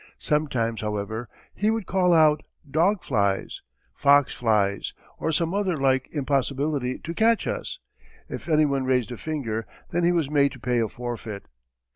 Sometimes, however, he would call out "Dog flies! Fox flies!" or some other like impossibility to catch us. If any one raised a finger then he was made to pay a forfeit.